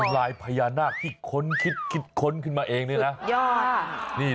ลายพยานาคที่คนคิดคิดคนขึ้นมาเองด้วยนะได้ยอด